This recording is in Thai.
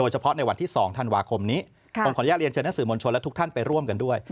เฉพาะในวันที่๒ธันวาคมนี้ผมขออนุญาตเรียนเชิญนักสื่อมวลชนและทุกท่านไปร่วมกันด้วย